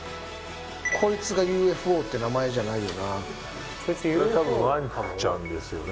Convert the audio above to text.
こいつがＵ．Ｆ．Ｏって名前じゃないよなですよね